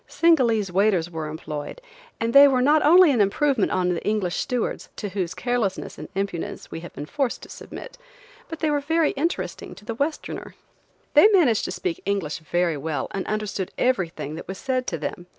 Singalese waiters were employed, and they were not only an improvement on the English stewards, to whose carelessness and impudence we had been forced to submit, but they were interesting to the Westerner. They managed to speak English very well and understood everything that was said to them.